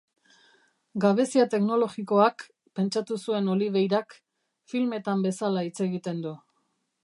Gabezia teknologikoak, pentsatu zuen Oliveirak, filmetan bezala hitz egiten du.